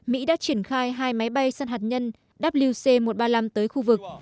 mỹ đã triển khai hai máy bay săn hạt nhân wc một trăm ba mươi năm tới khu vực